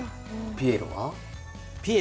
ピエロは？